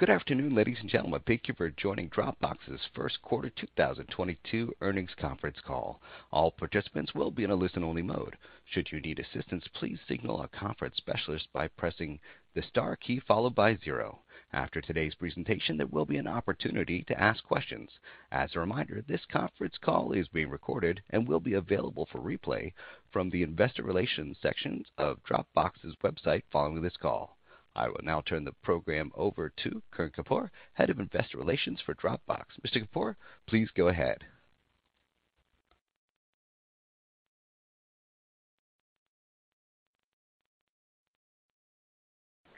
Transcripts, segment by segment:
Good afternoon, ladies and gentlemen. Thank you for joining Dropbox's first quarter 2022 earnings conference call. All participants will be in a listen-only mode. Should you need assistance, please signal a conference specialist by pressing the star key followed by zero. After today's presentation, there will be an opportunity to ask questions. As a reminder, this conference call is being recorded and will be available for replay from the investor relations sections of Dropbox's website following this call. I will now turn the program over to Karan Kapoor, Head of Investor Relations for Dropbox. Mr. Kapoor, please go ahead.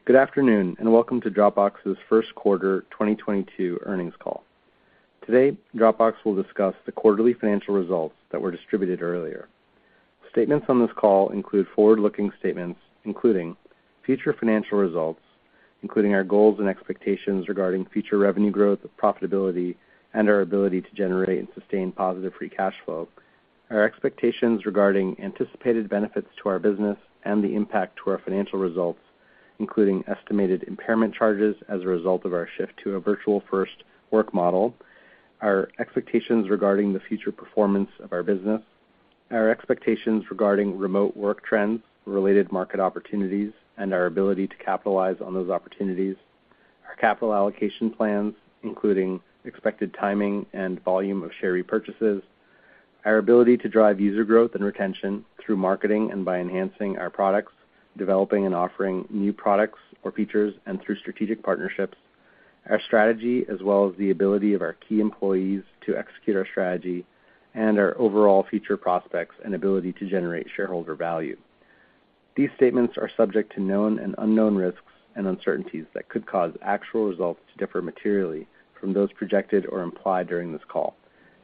Good afternoon, and welcome to Dropbox's first quarter 2022 earnings call. Today, Dropbox will discuss the quarterly financial results that were distributed earlier. Statements on this call include forward-looking statements, including future financial results, including our goals and expectations regarding future revenue growth, profitability, and our ability to generate and sustain positive free cash flow. Our expectations regarding anticipated benefits to our business and the impact to our financial results, including estimated impairment charges as a result of our shift to a Virtual First work model, our expectations regarding the future performance of our business, our expectations regarding remote work trends, related market opportunities, and our ability to capitalize on those opportunities, our capital allocation plans, including expected timing and volume of share repurchases, our ability to drive user growth and retention through marketing and by enhancing our products, developing and offering new products or features and through strategic partnerships, our strategy, as well as the ability of our key employees to execute our strategy and our overall future prospects and ability to generate shareholder value. These statements are subject to known and unknown risks and uncertainties that could cause actual results to differ materially from those projected or implied during this call,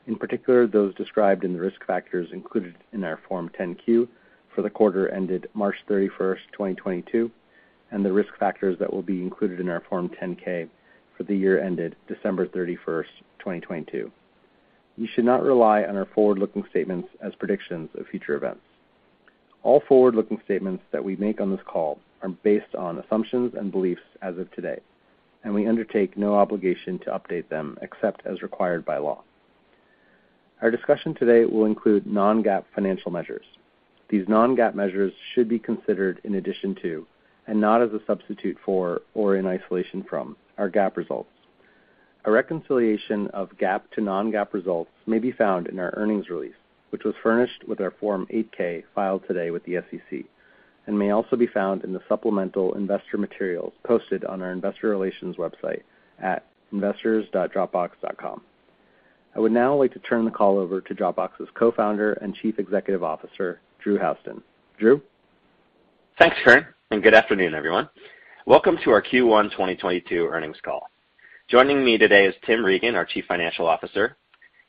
in particular, those described in the risk factors included in our Form 10-Q for the quarter ended March 31st, 2022, and the risk factors that will be included in our Form 10-K for the year ended December 31st, 2022. You should not rely on our forward-looking statements as predictions of future events. All forward-looking statements that we make on this call are based on assumptions and beliefs as of today, and we undertake no obligation to update them except as required by law. Our discussion today will include non-GAAP financial measures. These non-GAAP measures should be considered in addition to and not as a substitute for or in isolation from our GAAP results. A reconciliation of GAAP to non-GAAP results may be found in our earnings release, which was furnished with our Form 8-K filed today with the SEC and may also be found in the supplemental investor materials posted on our investor relations website at investors.dropbox.com. I would now like to turn the call over to Dropbox's Co-founder and Chief Executive Officer, Drew Houston. Drew? Thanks, Karan, and good afternoon, everyone. Welcome to our Q1 2022 earnings call. Joining me today is Tim Regan, our chief financial officer.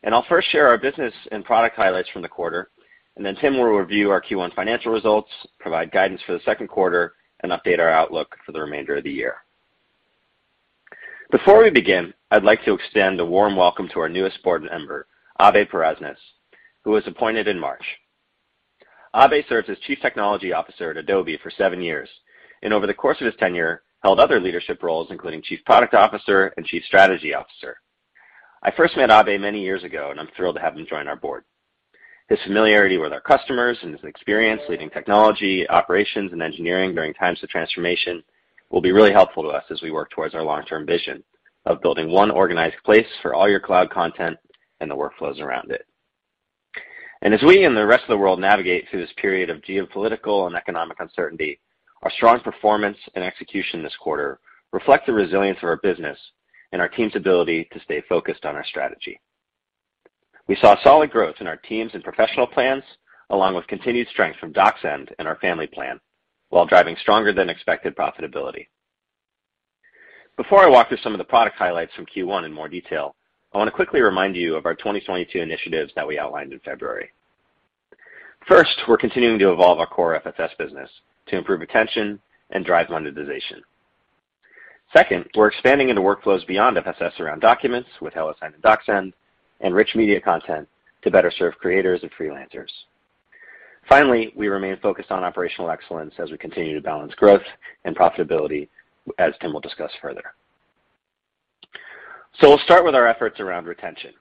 I'll first share our business and product highlights from the quarter, and then Tim will review our Q1 financial results, provide guidance for the second quarter, and update our outlook for the remainder of the year. Before we begin, I'd like to extend a warm welcome to our newest board member, Abhay Parasnis, who was appointed in March. Abe served as Chief Technology Officer at Adobe for seven years, and over the course of his tenure, held other leadership roles, including Chief Product Officer and Chief Strategy Officer. I first met Abe many years ago, and I'm thrilled to have him join our board. His familiarity with our customers and his experience leading technology, operations, and engineering during times of transformation will be really helpful to us as we work towards our long-term vision of building one organized place for all your cloud content and the workflows around it. As we and the rest of the world navigate through this period of geopolitical and economic uncertainty, our strong performance and execution this quarter reflect the resilience of our business and our team's ability to stay focused on our strategy. We saw solid growth in our teams and professional plans, along with continued strength from DocSend and our Family plan, while driving stronger than expected profitability. Before I walk through some of the product highlights from Q1 in more detail, I want to quickly remind you of our 2022 initiatives that we outlined in February. First, we're continuing to evolve our core FSS business to improve retention and drive monetization. Second, we're expanding into workflows beyond FSS around documents with HelloSign and DocSend and rich media content to better serve creators and freelancers. Finally, we remain focused on operational excellence as we continue to balance growth and profitability, as Tim will discuss further. We'll start with our efforts around retention.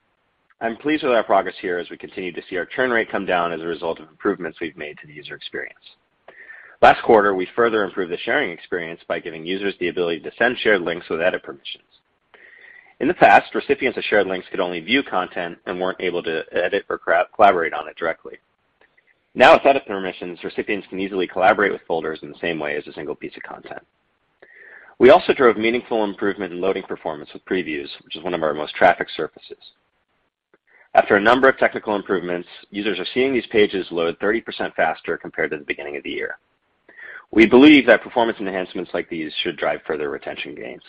I'm pleased with our progress here as we continue to see our churn rate come down as a result of improvements we've made to the user experience. Last quarter, we further improved the sharing experience by giving users the ability to send shared links with edit permissions. In the past, recipients of shared links could only view content and weren't able to edit or collaborate on it directly. Now, with edit permissions, recipients can easily collaborate with folders in the same way as a single piece of content. We also drove meaningful improvement in loading performance with previews, which is one of our most trafficked surfaces. After a number of technical improvements, users are seeing these pages load 30% faster compared to the beginning of the year. We believe that performance enhancements like these should drive further retention gains.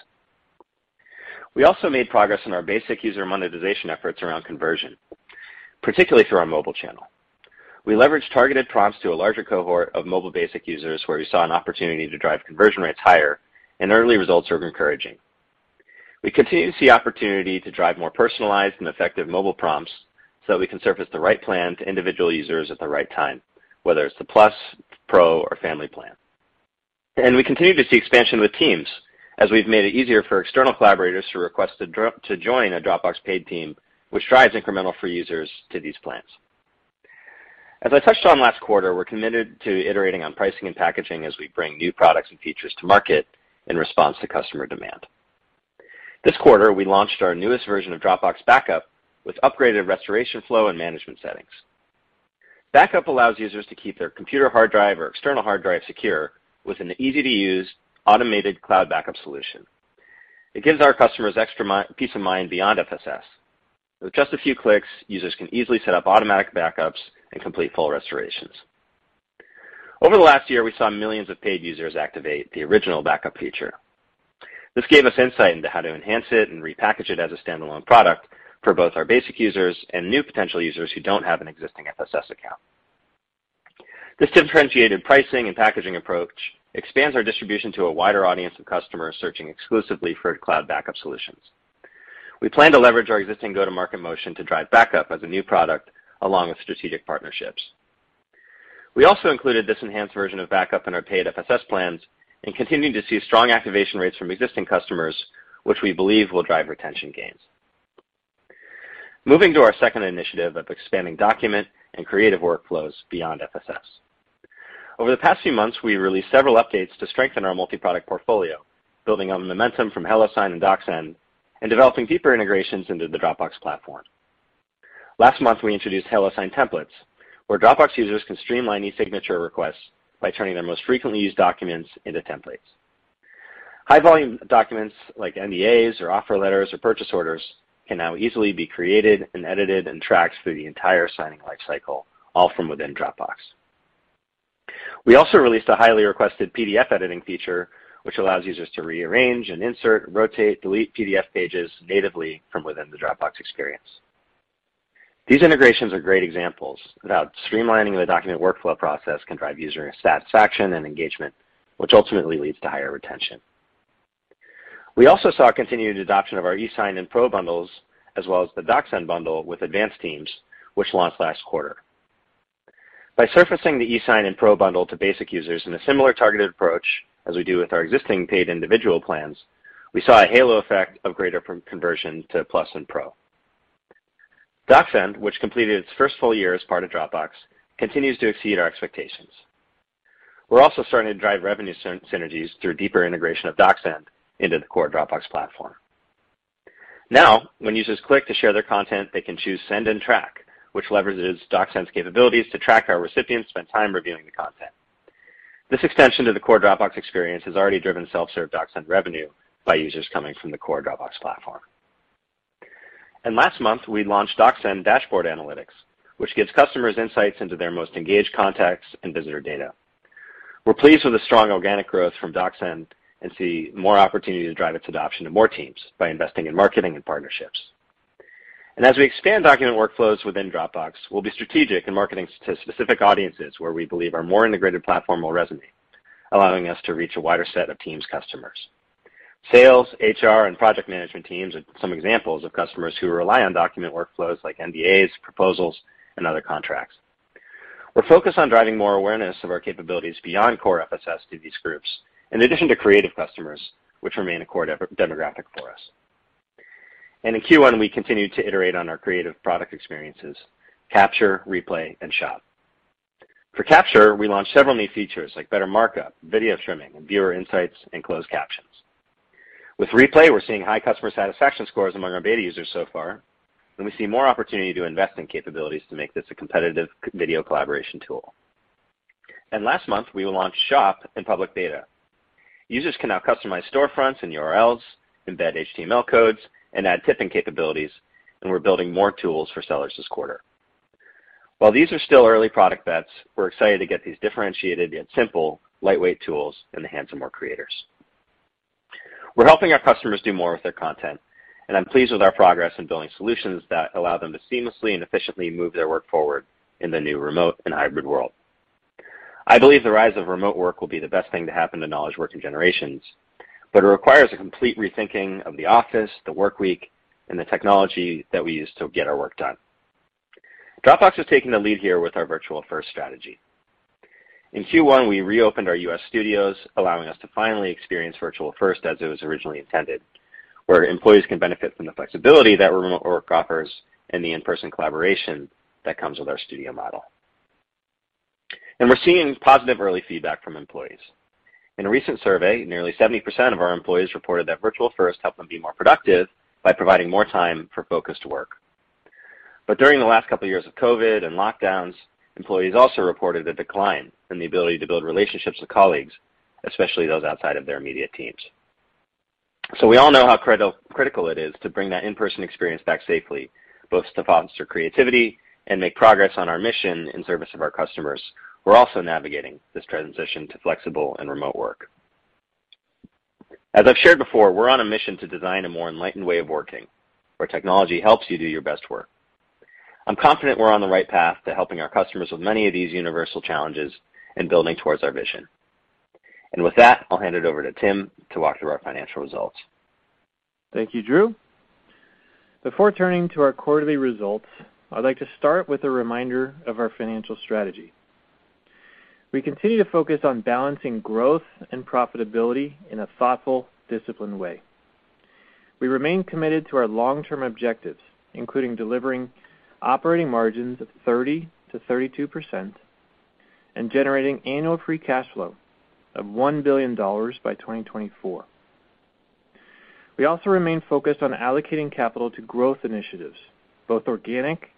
We also made progress in our basic user monetization efforts around conversion, particularly through our mobile channel. We leveraged targeted prompts to a larger cohort of mobile basic users where we saw an opportunity to drive conversion rates higher, and early results are encouraging. We continue to see opportunity to drive more personalized and effective mobile prompts. We can surface the right plan to individual users at the right time, whether it's the Plus, Pro, or Family plan. We continue to see expansion with teams as we've made it easier for external collaborators to request to join a Dropbox paid team, which drives incremental free users to these plans. As I touched on last quarter, we're committed to iterating on pricing and packaging as we bring new products and features to market in response to customer demand. This quarter, we launched our newest version of Dropbox Backup with upgraded restoration flow and management settings. Backup allows users to keep their computer hard drive or external hard drive secure with an easy-to-use automated cloud backup solution. It gives our customers extra peace of mind beyond FSS. With just a few clicks, users can easily set up automatic backups and complete full restorations. Over the last year, we saw millions of paid users activate the original backup feature. This gave us insight into how to enhance it and repackage it as a standalone product for both our basic users and new potential users who don't have an existing FSS account. This differentiated pricing and packaging approach expands our distribution to a wider audience of customers searching exclusively for cloud backup solutions. We plan to leverage our existing go-to-market motion to drive backup as a new product along with strategic partnerships. We also included this enhanced version of backup in our paid FSS plans and continuing to see strong activation rates from existing customers, which we believe will drive retention gains. Moving to our second initiative of expanding document and creative workflows beyond FSS. Over the past few months, we released several updates to strengthen our multi-product portfolio, building on the momentum from HelloSign and DocSend, and developing deeper integrations into the Dropbox platform. Last month, we introduced HelloSign templates, where Dropbox users can streamline e-signature requests by turning their most frequently used documents into templates. High-volume documents like NDAs or offer letters or purchase orders can now easily be created and edited and tracked through the entire signing life cycle, all from within Dropbox. We also released a highly requested PDF editing feature, which allows users to rearrange and insert, rotate, delete PDF pages natively from within the Dropbox experience. These integrations are great examples of how streamlining the document workflow process can drive user satisfaction and engagement, which ultimately leads to higher retention. We also saw continued adoption of our eSign and Pro bundles, as well as the DocSend bundle with advanced teams, which launched last quarter. By surfacing the eSign and Pro bundle to basic users in a similar targeted approach, as we do with our existing paid individual plans, we saw a halo effect of greater conversion to Plus and Pro. DocSend, which completed its first full year as part of Dropbox, continues to exceed our expectations. We're also starting to drive revenue synergies through deeper integration of DocSend into the core Dropbox platform. Now, when users click to share their content, they can choose Send and Track, which leverages DocSend's capabilities to track our recipients who spend time reviewing the content. This extension to the core Dropbox experience has already driven self-serve DocSend revenue by users coming from the core Dropbox platform. Last month, we launched DocSend Dashboard Analytics, which gives customers insights into their most engaged contacts and visitor data. We're pleased with the strong organic growth from DocSend and see more opportunity to drive its adoption to more teams by investing in marketing and partnerships. As we expand document workflows within Dropbox, we'll be strategic in marketing to specific audiences where we believe our more integrated platform will resonate, allowing us to reach a wider set of teams customers. Sales, HR, and project management teams are some examples of customers who rely on document workflows like NDAs, proposals, and other contracts. We're focused on driving more awareness of our capabilities beyond core FSS to these groups, in addition to creative customers, which remain a core demographic for us. In Q1, we continued to iterate on our creative product experiences, Capture, Replay, and Shop. For Capture, we launched several new features like better markup, video trimming, viewer insights, and closed captions. With Replay, we're seeing high customer satisfaction scores among our beta users so far, and we see more opportunity to invest in capabilities to make this a competitive video collaboration tool. Last month, we launched Shop and public beta. Users can now customize storefronts and URLs, embed HTML codes, and add tipping capabilities, and we're building more tools for sellers this quarter. While these are still early product bets, we're excited to get these differentiated yet simple lightweight tools in the hands of more creators. We're helping our customers do more with their content, and I'm pleased with our progress in building solutions that allow them to seamlessly and efficiently move their work forward in the new remote and hybrid world. I believe the rise of remote work will be the best thing to happen to knowledge working generations, but it requires a complete rethinking of the office, the work week, and the technology that we use to get our work done. Dropbox is taking the lead here with our Virtual First strategy. In Q1, we reopened our U.S. studios, allowing us to finally experience Virtual First as it was originally intended, where employees can benefit from the flexibility that remote work offers and the in-person collaboration that comes with our studio model. We're seeing positive early feedback from employees. In a recent survey, nearly 70% of our employees reported that Virtual First helped them be more productive by providing more time for focused work. During the last couple of years of COVID and lockdowns, employees also reported a decline in the ability to build relationships with colleagues, especially those outside of their immediate teams. We all know how critical it is to bring that in-person experience back safely, both to foster creativity and make progress on our mission in service of our customers. We're also navigating this transition to flexible and remote work. As I've shared before, we're on a mission to design a more enlightened way of working, where technology helps you do your best work. I'm confident we're on the right path to helping our customers with many of these universal challenges and building towards our vision. With that, I'll hand it over to Tim to walk through our financial results. Thank you, Drew. Before turning to our quarterly results, I'd like to start with a reminder of our financial strategy. We continue to focus on balancing growth and profitability in a thoughtful, disciplined way. We remain committed to our long-term objectives, including delivering operating margins of 30%-32% and generating annual free cash flow of $1 billion by 2024. We also remain focused on allocating capital to growth initiatives, both organic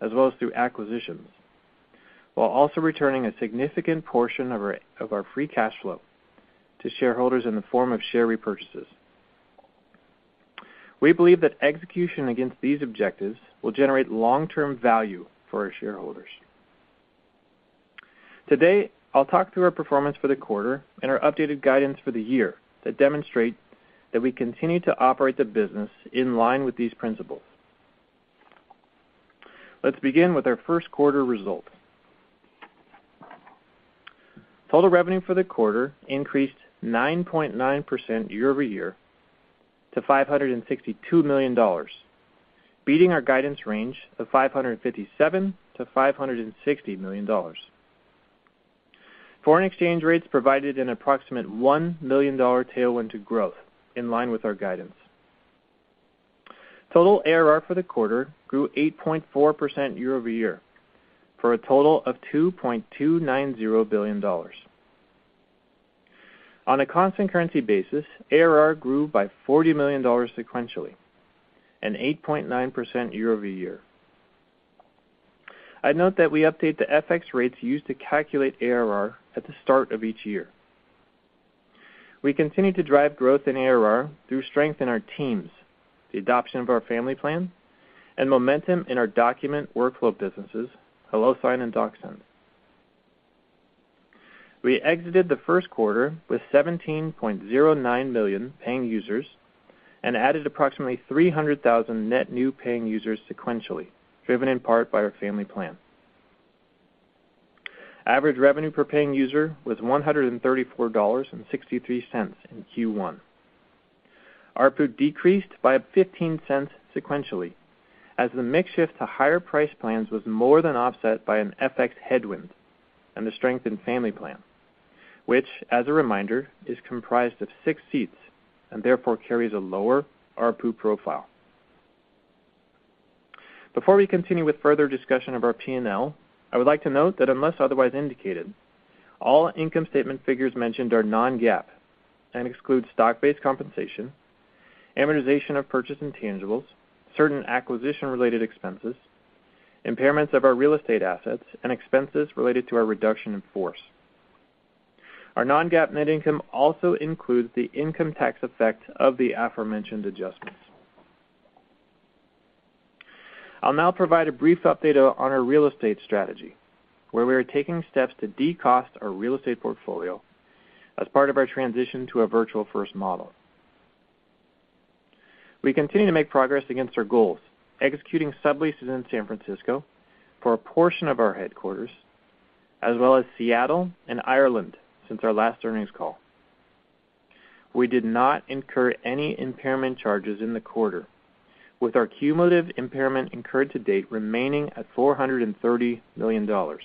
as well as through acquisitions, while also returning a significant portion of our free cash flow to shareholders in the form of share repurchases. We believe that execution against these objectives will generate long-term value for our shareholders. Today, I'll talk through our performance for the quarter and our updated guidance for the year that demonstrate that we continue to operate the business in line with these principles. Let's begin with our first quarter results. Total revenue for the quarter increased 9.9% year-over-year to $562 million, beating our guidance range of $557 million-$560 million. Foreign exchange rates provided an approximate $1 million tailwind to growth in line with our guidance. Total ARR for the quarter grew 8.4% year-over-year for a total of $2.290 billion. On a constant currency basis, ARR grew by $40 million sequentially and 8.9% year-over-year. I'd note that we update the FX rates used to calculate ARR at the start of each year. We continue to drive growth in ARR through strength in our teams, the adoption of our Family plan, and momentum in our document workflow businesses, HelloSign and DocSend. We exited the first quarter with 17.09 million paying users and added approximately 300,000 net new paying users sequentially, driven in part by our Family plan. Average revenue per paying user was $134.63 in Q1. ARPU decreased by $0.15 sequentially as the mix shift to higher price plans was more than offset by an FX headwind and the strength in Family plan, which, as a reminder, is comprised of six seats and therefore carries a lower ARPU profile. Before we continue with further discussion of our P&L, I would like to note that unless otherwise indicated, all income statement figures mentioned are non-GAAP and exclude stock-based compensation, amortization of purchase intangibles, certain acquisition-related expenses, impairments of our real estate assets, and expenses related to our reduction in force. Our non-GAAP net income also includes the income tax effect of the aforementioned adjustments. I'll now provide a brief update on our real estate strategy, where we are taking steps to decost our real estate portfolio as part of our transition to a Virtual First model. We continue to make progress against our goals, executing subleases in San Francisco for a portion of our headquarters, as well as Seattle and Ireland since our last earnings call. We did not incur any impairment charges in the quarter, with our cumulative impairment incurred to date remaining at $430 million.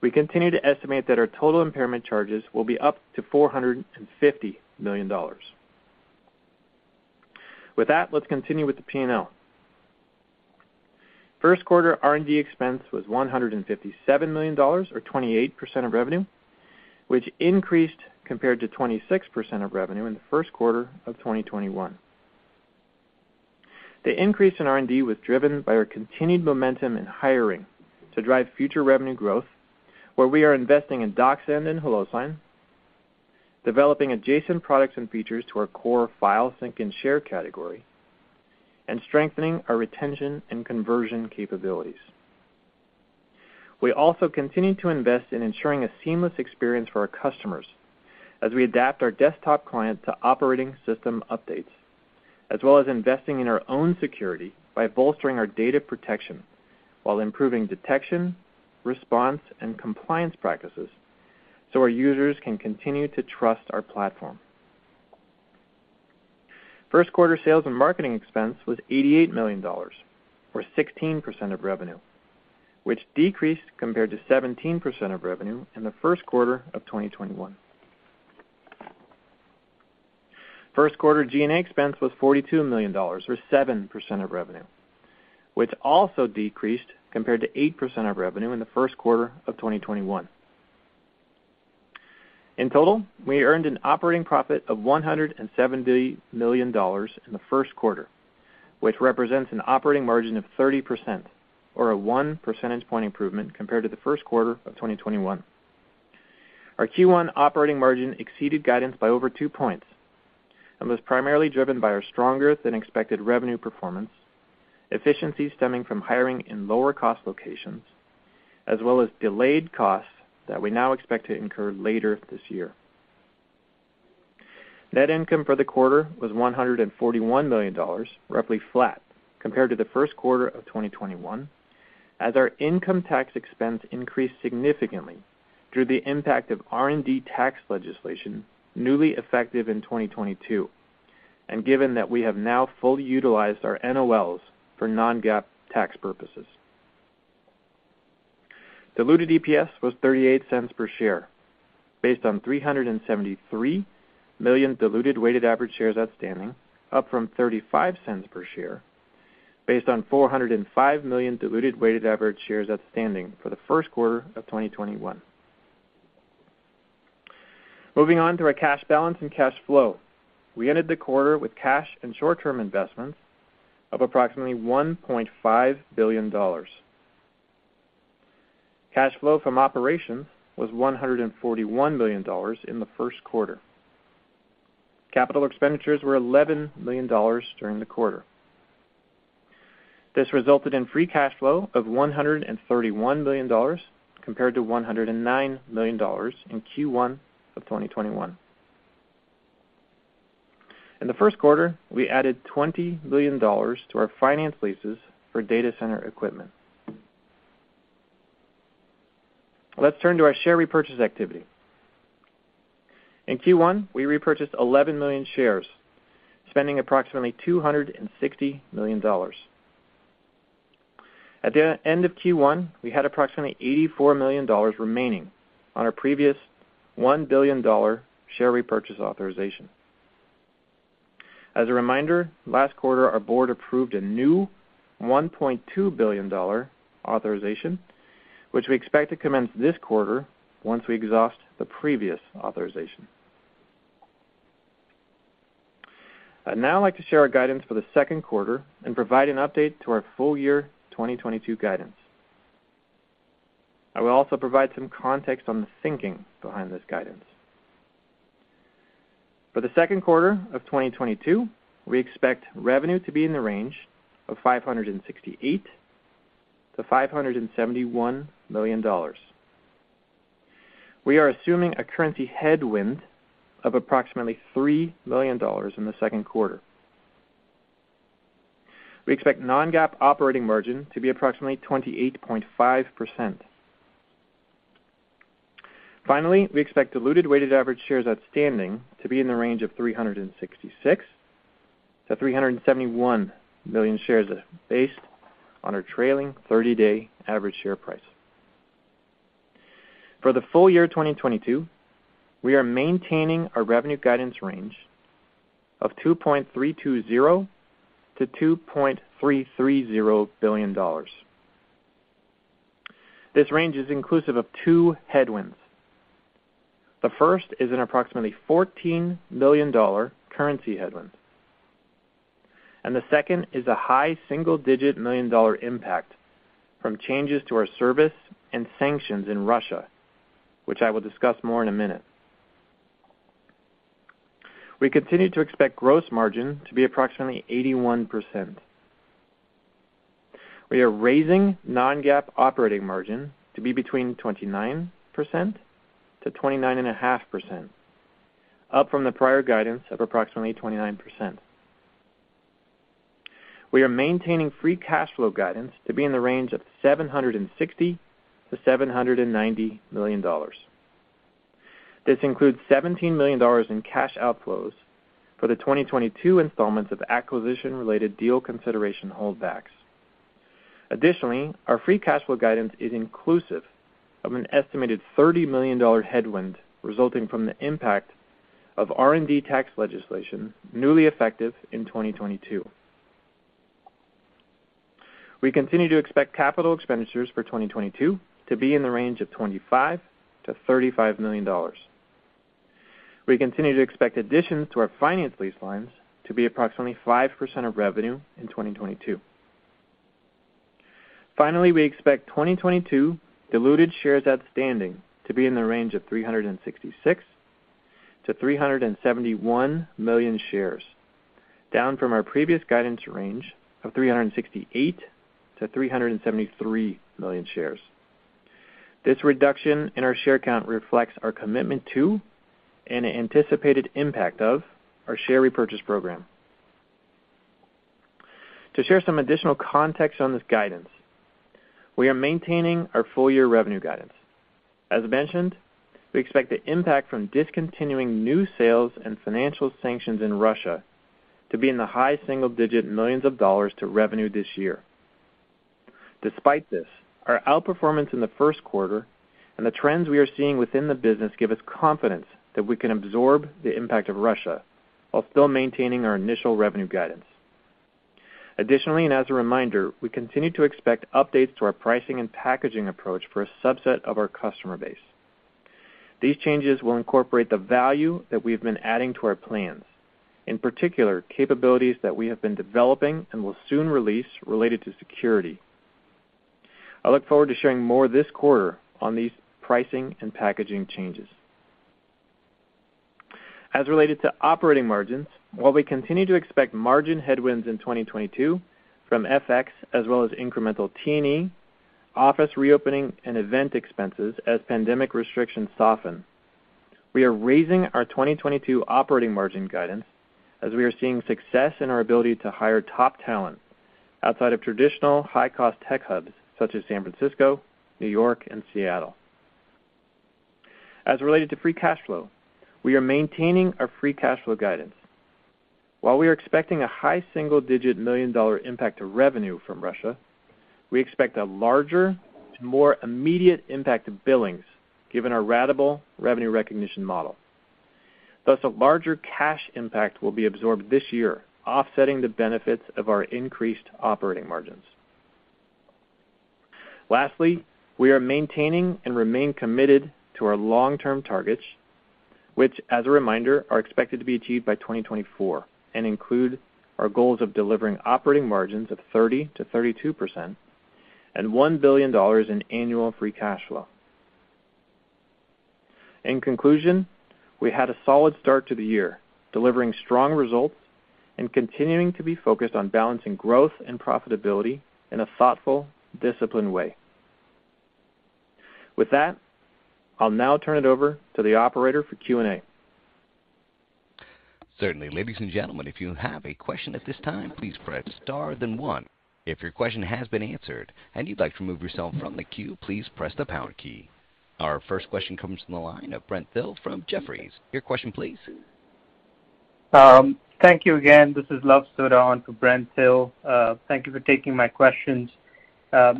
We continue to estimate that our total impairment charges will be up to $450 million. With that, let's continue with the P&L. First quarter R&D expense was $157 million, or 28% of revenue, which increased compared to 26% of revenue in the first quarter of 2021. The increase in R&D was driven by our continued momentum in hiring to drive future revenue growth, where we are investing in DocSend and HelloSign, developing adjacent products and features to our core file sync-and-share category, and strengthening our retention and conversion capabilities. We also continue to invest in ensuring a seamless experience for our customers as we adapt our desktop client to operating system updates, as well as investing in our own security by bolstering our data protection while improving detection, response, and compliance practices so our users can continue to trust our platform. First quarter sales and marketing expense was $88 million, or 16% of revenue, which decreased compared to 17% of revenue in the first quarter of 2021. First quarter G&A expense was $42 million, or 7% of revenue, which also decreased compared to 8% of revenue in the first quarter of 2021. In total, we earned an operating profit of $170 million in the first quarter, which represents an operating margin of 30% or a 1 percentage point improvement compared to the first quarter of 2021. Our Q1 operating margin exceeded guidance by over 2 points and was primarily driven by our stronger-than-expected revenue performance, efficiencies stemming from hiring in lower-cost locations, as well as delayed costs that we now expect to incur later this year. Net income for the quarter was $141 million, roughly flat compared to the first quarter of 2021, as our income tax expense increased significantly through the impact of R&D tax legislation newly effective in 2022, and given that we have now fully utilized our NOLs for non-GAAP tax purposes. Diluted EPS was $0.38 per share based on 373 million diluted weighted average shares outstanding, up from $0.35 per share based on 405 million diluted weighted average shares outstanding for the first quarter of 2021. Moving on to our cash balance and cash flow. We ended the quarter with cash and short-term investments of approximately $1.5 billion. Cash flow from operations was $141 million in the first quarter. Capital expenditures were $11 million during the quarter. This resulted in free cash flow of $131 million compared to $109 million in Q1 of 2021. In the first quarter, we added $20 million to our finance leases for data center equipment. Let's turn to our share repurchase activity. In Q1, we repurchased 11 million shares, spending approximately $260 million. At the end of Q1, we had approximately $84 million remaining on our previous $1 billion share repurchase authorization. As a reminder, last quarter, our board approved a new $1.2 billion authorization, which we expect to commence this quarter once we exhaust the previous authorization. I'd now like to share our guidance for the second quarter and provide an update to our full year 2022 guidance. I will also provide some context on the thinking behind this guidance. For the second quarter of 2022, we expect revenue to be in the range of $568 million-$571 million. We are assuming a currency headwind of approximately $3 million in the second quarter. We expect non-GAAP operating margin to be approximately 28.5%. Finally, we expect diluted weighted average shares outstanding to be in the range of 366 million-371 million shares based on our trailing thirty-day average share price. For the full year 2022, we are maintaining our revenue guidance range of $2.320 billion-$2.330 billion. This range is inclusive of two headwinds. The first is an approximately $14 million currency headwind, and the second is a high single-digit million dollar impact from changes to our service and sanctions in Russia, which I will discuss more in a minute. We continue to expect gross margin to be approximately 81%. We are raising non-GAAP operating margin to be between 29%-29.5%, up from the prior guidance of approximately 29%. We are maintaining free cash flow guidance to be in the range of $760 million-$790 million. This includes $17 million in cash outflows for the 2022 installments of acquisition-related deal consideration holdbacks. Additionally, our free cash flow guidance is inclusive of an estimated $30 million headwind resulting from the impact of R&D tax legislation newly effective in 2022. We continue to expect capital expenditures for 2022 to be in the range of $25 million-$35 million. We continue to expect additions to our finance lease lines to be approximately 5% of revenue in 2022. Finally, we expect 2022 diluted shares outstanding to be in the range of 366 million-371 million shares, down from our previous guidance range of 368 million-373 million shares. This reduction in our share count reflects our commitment to, and anticipated impact of, our share repurchase program. To share some additional context on this guidance, we are maintaining our full year revenue guidance. As mentioned, we expect the impact from discontinuing new sales and financial sanctions in Russia to be in the $ high single-digit millions to revenue this year. Despite this, our outperformance in the first quarter and the trends we are seeing within the business give us confidence that we can absorb the impact of Russia while still maintaining our initial revenue guidance. Additionally, and as a reminder, we continue to expect updates to our pricing and packaging approach for a subset of our customer base. These changes will incorporate the value that we've been adding to our plans, in particular, capabilities that we have been developing and will soon release related to security. I look forward to sharing more this quarter on these pricing and packaging changes. As related to operating margins, while we continue to expect margin headwinds in 2022 from FX as well as incremental T&E, office reopening and event expenses as pandemic restrictions soften. We are raising our 2022 operating margin guidance as we are seeing success in our ability to hire top talent outside of traditional high-cost tech hubs such as San Francisco, New York and Seattle. As related to free cash flow, we are maintaining our free cash flow guidance. While we are expecting a high single-digit $ million impact to revenue from Russia, we expect a larger, more immediate impact to billings given our ratable revenue recognition model. Thus, a larger cash impact will be absorbed this year, offsetting the benefits of our increased operating margins. Lastly, we are maintaining and remain committed to our long-term targets, which as a reminder, are expected to be achieved by 2024 and include our goals of delivering operating margins of 30%-32% and $1 billion in annual free cash flow. In conclusion, we had a solid start to the year, delivering strong results and continuing to be focused on balancing growth and profitability in a thoughtful, disciplined way. With that, I'll now turn it over to the operator for Q&A. Certainly. Ladies and gentlemen, if you have a question at this time, please press star then one. If your question has been answered and you'd like to remove yourself from the queue, please press the pound key. Our first question comes from the line of Brent Thill from Jefferies. Your question please. Thank you again. This is Luv Sodha for Brent Thill. Thank you for taking my questions.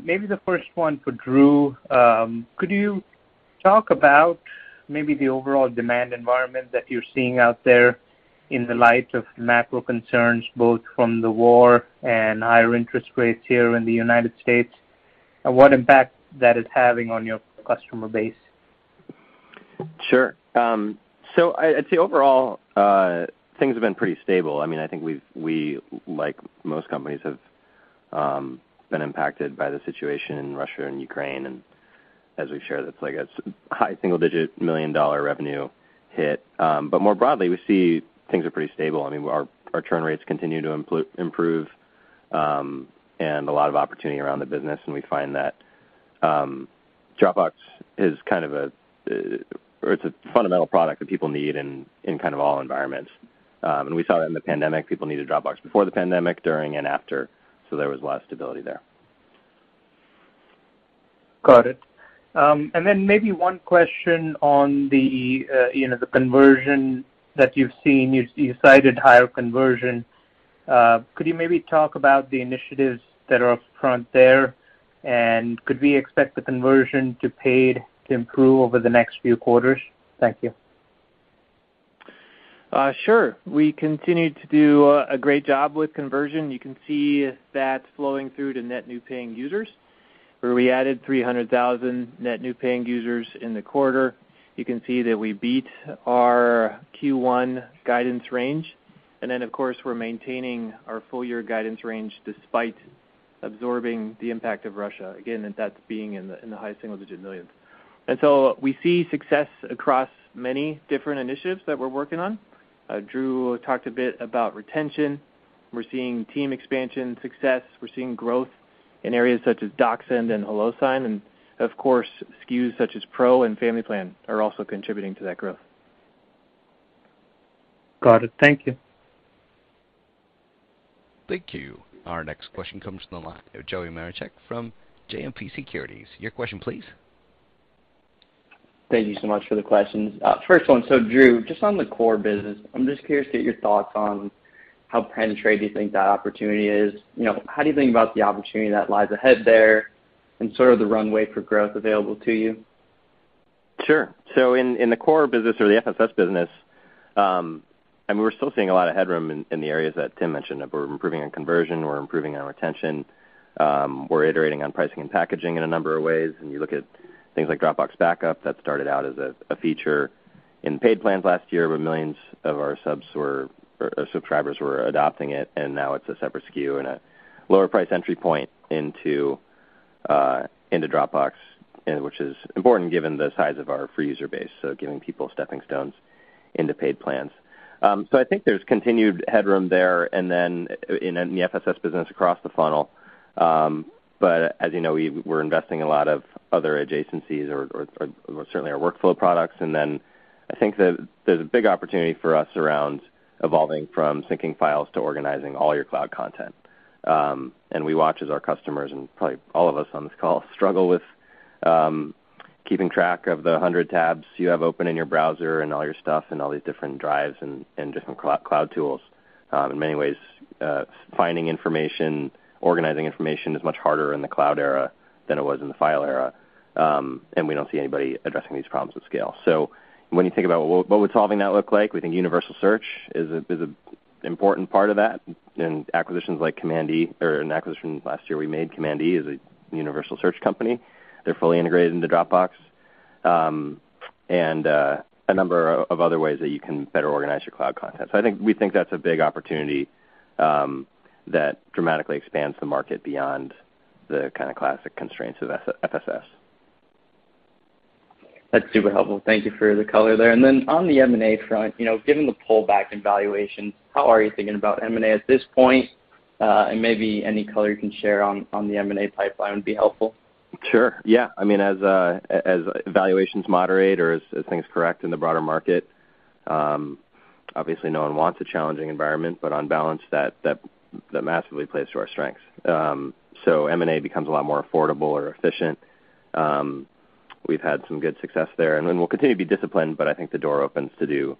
Maybe the first one for Drew. Could you talk about maybe the overall demand environment that you're seeing out there in the light of macro concerns, both from the war and higher interest rates here in the United States, and what impact that is having on your customer base? Sure. So I'd say overall, things have been pretty stable. I mean, I think we've, like most companies, have been impacted by the situation in Russia and Ukraine. As we've shared, it's like a high single-digit million dollar revenue hit. More broadly, we see things are pretty stable. I mean, our churn rates continue to improve, and a lot of opportunity around the business, and we find that Dropbox is kind of a, or it's a fundamental product that people need in kind of all environments. We saw that in the pandemic. People needed Dropbox before the pandemic, during and after, so there was a lot of stability there. Got it. Maybe one question on the you know, the conversion that you've seen. You cited higher conversion. Could you maybe talk about the initiatives that are upfront there? Could we expect the conversion to paid to improve over the next few quarters? Thank you. Sure. We continue to do a great job with conversion. You can see that flowing through to net new paying users, where we added 300,000 net new paying users in the quarter. You can see that we beat our Q1 guidance range. Of course, we're maintaining our full year guidance range despite absorbing the impact of Russia. Again, that's being in the high single-digit millions. We see success across many different initiatives that we're working on. Drew talked a bit about retention. We're seeing team expansion success. We're seeing growth in areas such as DocSend and HelloSign. Of course, SKUs such as Pro and Family Plan are also contributing to that growth. Got it. Thank you. Thank you. Our next question comes from the line of Joey Marincek from JMP Securities. Your question please. Thank you so much for the questions. First one, so Drew, just on the core business, I'm just curious to get your thoughts on how penetrated you think that opportunity is. You know, how do you think about the opportunity that lies ahead there and sort of the runway for growth available to you? Sure. In the core business or the FSS business, I mean, we're still seeing a lot of headroom in the areas that Tim mentioned. We're improving on conversion, we're improving on retention, we're iterating on pricing and packaging in a number of ways. When you look at things like Dropbox Backup, that started out as a feature in paid plans last year, where millions of our subscribers were adopting it, and now it's a separate SKU and a lower price entry point into Dropbox, which is important given the size of our free user base, so giving people stepping stones into paid plans. I think there's continued headroom there and then in the FSS business across the funnel. As you know, we're investing in a lot of other adjacencies or certainly our workflow products. I think that there's a big opportunity for us around evolving from syncing files to organizing all your cloud content. We watch as our customers, and probably all of us on this call, struggle with keeping track of the 100 tabs you have open in your browser and all your stuff and all these different drives and different cloud tools. In many ways, finding information, organizing information is much harder in the cloud era than it was in the file era. We don't see anybody addressing these problems with scale. When you think about what would solving that look like, we think universal search is an important part of that. Acquisitions like Command E, or an acquisition last year we made. Command E is a universal search company. They're fully integrated into Dropbox. A number of other ways that you can better organize your cloud content. We think that's a big opportunity that dramatically expands the market beyond the kind of classic constraints of FSS. That's super helpful. Thank you for the color there. On the M&A front, you know, given the pullback in valuations, how are you thinking about M&A at this point? Maybe any color you can share on the M&A pipeline would be helpful. Sure, yeah. I mean, as valuations moderate or as things correct in the broader market, obviously no one wants a challenging environment, but on balance, that massively plays to our strengths. M&A becomes a lot more affordable or efficient. We've had some good success there, and then we'll continue to be disciplined, but I think the door opens to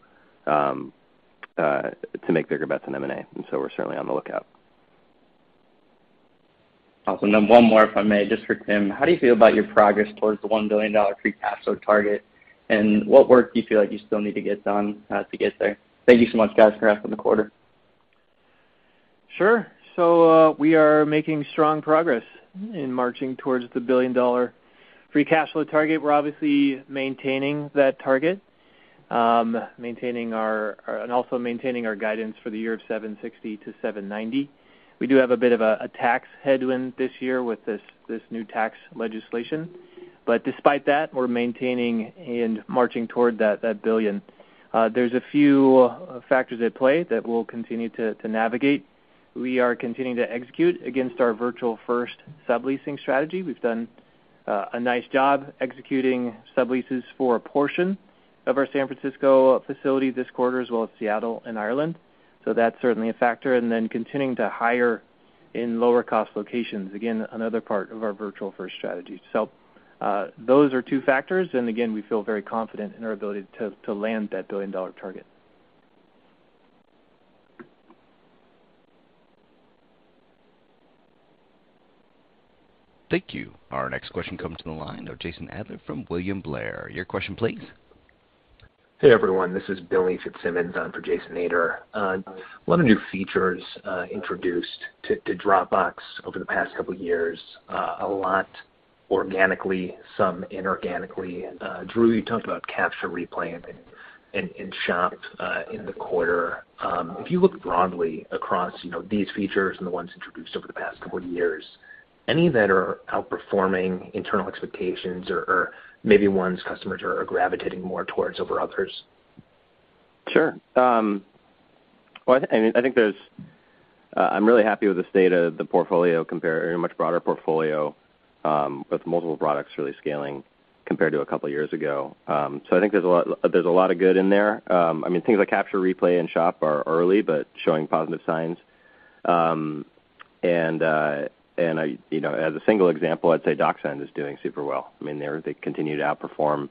make bigger bets in M&A. We're certainly on the lookout. Awesome. One more, if I may, just for Tim. How do you feel about your progress towards the $1 billion free cash flow target? What work do you feel like you still need to get done to get there? Thank you so much, guys. Congrats on the quarter. Sure. We are making strong progress in marching towards the billion-dollar free cash flow target. We're obviously maintaining that target, maintaining our guidance for the year of $760-$790. We do have a bit of a tax headwind this year with this new tax legislation. Despite that, we're maintaining and marching toward that billion. There's a few factors at play that we'll continue to navigate. We are continuing to execute against our Virtual First subleasing strategy. We've done a nice job executing subleases for a portion of our San Francisco facility this quarter, as well as Seattle and Ireland. That's certainly a factor. Continuing to hire in lower cost locations, again, another part of our Virtual First strategy. Those are two factors, and again, we feel very confident in our ability to land that billion-dollar target. Thank you. Our next question comes from the line of Jason Ader from William Blair. Your question please. Hey, everyone, this is Billy Fitzsimmons on for Jason Ader. A lot of new features introduced to Dropbox over the past couple years, a lot organically, some inorganically. Drew, you talked about Capture, Replay, and Shop in the quarter. If you look broadly across, you know, these features and the ones introduced over the past couple of years, any that are outperforming internal expectations or maybe ones customers are gravitating more towards over others? Sure. Well, I think there's a lot. I'm really happy with the state of the portfolio compared to a much broader portfolio with multiple products really scaling compared to a couple of years ago. I think there's a lot of good in there. I mean, things like Capture, Replay and Shop are early, but showing positive signs. You know, as a single example, I'd say DocSend is doing super well. I mean, they continue to outperform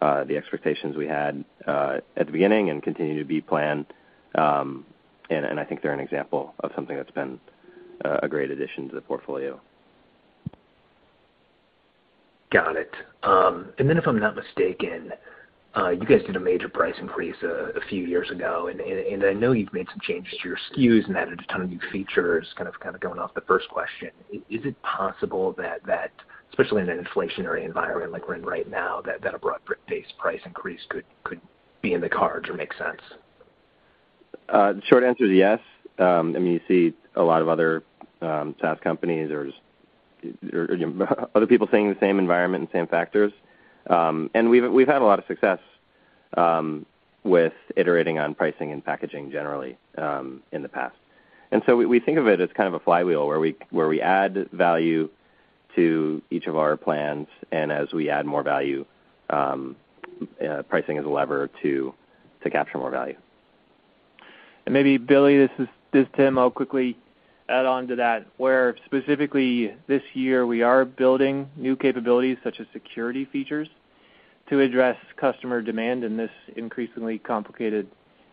the expectations we had at the beginning and continue to expand. I think they're an example of something that's been a great addition to the portfolio. Got it. If I'm not mistaken, you guys did a major price increase a few years ago, and I know you've made some changes to your SKUs and added a ton of new features, kind of going off the first question. Is it possible that, especially in an inflationary environment like we're in right now, that a broad-based price increase could be in the cards or make sense? The short answer is yes. I mean, you see a lot of other SaaS companies or just other people saying the same environment and same factors. We've had a lot of success with iterating on pricing and packaging generally in the past. We think of it as kind of a flywheel where we add value to each of our plans, and as we add more value, pricing is a lever to capture more value. Maybe Billy, this is Tim. I'll quickly add on to that, where specifically this year we are building new capabilities such as security features to address customer demand in this increasingly complicated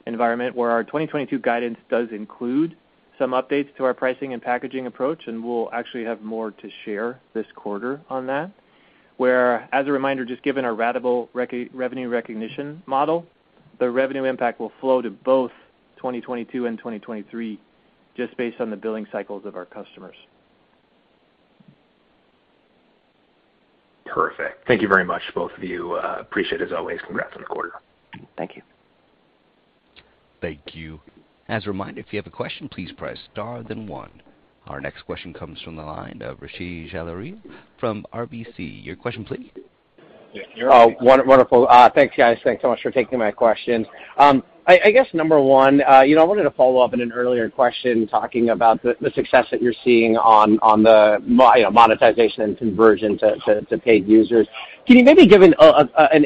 environment where our 2022 guidance does include some updates to our pricing and packaging approach, and we'll actually have more to share this quarter on that. Whereas, as a reminder, just given our ratable revenue recognition model, the revenue impact will flow to both 2022 and 2023 just based on the billing cycles of our customers. Perfect. Thank you very much, both of you. Appreciate as always. Congrats on the quarter. Thank you. Thank you. As a reminder, if you have a question, please press star then one. Our next question comes from the line of Rishi Jaluria from RBC. Your question, please. Oh, wonderful. Thanks, guys. Thanks so much for taking my questions. I guess number one, you know, I wanted to follow up on an earlier question talking about the success that you're seeing on the monetization and conversion to paid users. Can you maybe give an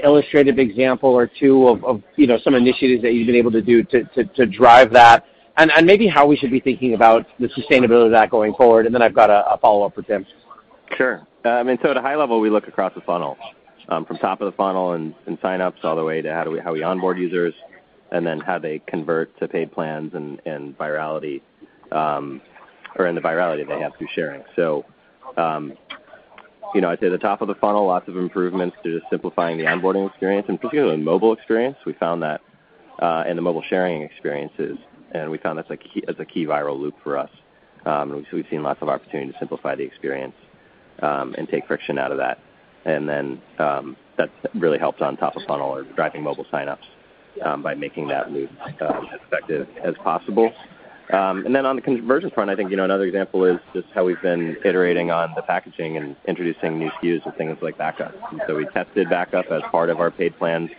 illustrative example or two of, you know, some initiatives that you've been able to do to drive that? And maybe how we should be thinking about the sustainability of that going forward. I've got a follow-up for Tim. Sure. I mean, so at a high level, we look across the funnel from top of the funnel and signups all the way to how we onboard users, and then how they convert to paid plans and virality or in the virality they have through sharing. You know, I'd say the top of the funnel, lots of improvements to just simplifying the onboarding experience and particularly the mobile experience. We found that and the mobile sharing experiences, and we found that's a key viral loop for us. We've seen lots of opportunity to simplify the experience and take friction out of that. That's really helped on top of funnel or driving mobile signups by making that move as effective as possible. On the conversion front, I think, you know, another example is just how we've been iterating on the packaging and introducing new SKUs and things like Backup. We tested Backup as part of our paid plans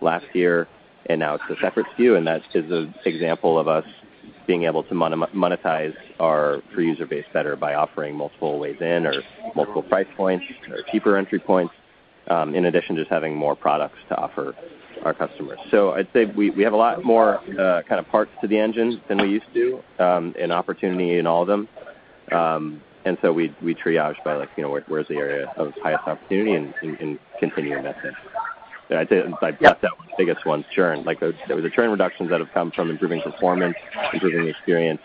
last year, and now it's a separate SKU, and that's just an example of us being able to monetize our free user base better by offering multiple ways in or multiple price points or cheaper entry points, in addition to just having more products to offer our customers. I'd say we have a lot more kind of parts to the engine than we used to, and opportunity in all of them. We triage by, like, you know, where's the area of highest opportunity and continuing that. I'd say if I plot the biggest ones, churn. Like the churn reductions that have come from improving performance, improving experience,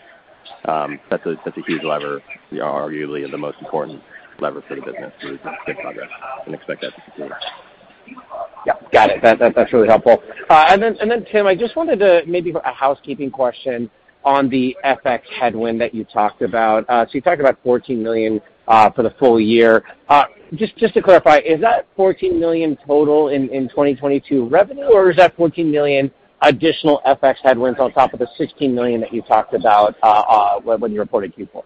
that's a huge lever, arguably the most important lever for the business. We've made good progress and expect that to continue. Yeah. Got it. That's really helpful. And then Tim, I just wanted to maybe a housekeeping question on the FX headwind that you talked about. So you talked about $14 million for the full year. Just to clarify, is that $14 million total in 2022 revenue, or is that $14 million additional FX headwinds on top of the $16 million that you talked about when you reported Q4?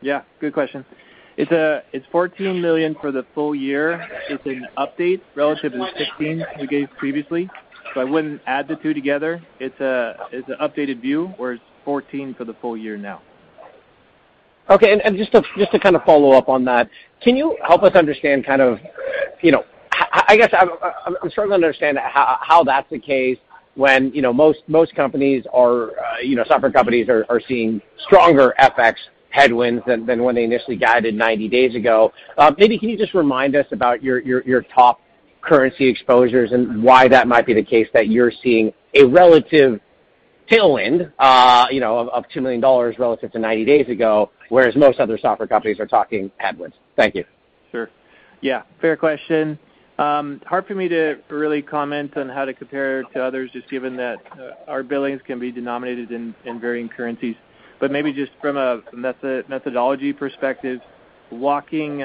Yeah, good question. It's $14 million for the full year. It's an update relative to the $15 we gave previously, so I wouldn't add the two together. It's an updated view, where it's $14 million for the full year now. Okay. Just to kind of follow up on that, can you help us understand kind of, you know? I guess I'm struggling to understand how that's the case when, you know, most companies are, you know, software companies are seeing stronger FX headwinds than when they initially guided 90 days ago. Maybe can you just remind us about your top currency exposures and why that might be the case that you're seeing a relative tailwind, you know, of $2 million relative to 90 days ago, whereas most other software companies are talking headwinds? Thank you. Sure. Yeah. Fair question. Hard for me to really comment on how to compare to others, just given that, our billings can be denominated in varying currencies. Maybe just from a methodology perspective, walking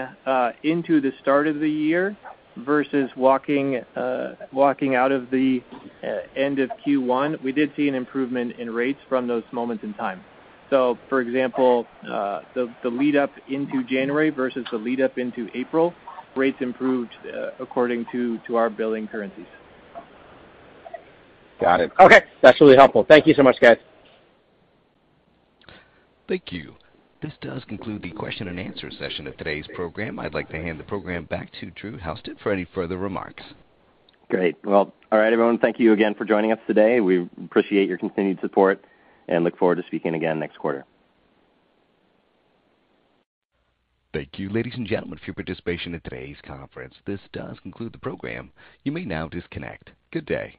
into the start of the year versus walking out of the end of Q1, we did see an improvement in rates from those moments in time. For example, the lead up into January versus the lead up into April, rates improved according to our billing currencies. Got it. Okay. That's really helpful. Thank you so much, guys. Thank you. This does conclude the question and answer session of today's program. I'd like to hand the program back to Drew Houston for any further remarks. Great. Well, all right, everyone. Thank you again for joining us today. We appreciate your continued support and look forward to speaking again next quarter. Thank you, ladies and gentlemen, for your participation in today's conference. This does conclude the program. You may now disconnect. Good day.